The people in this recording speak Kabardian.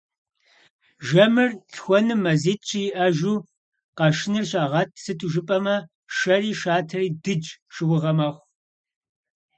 Жэмыр лъхуэным мазитӀ-щы иӀэжу къэшыныр щагъэт, сыту жыпӀэмэ, шэри шатэри дыдж, шыугъэ мэхъу.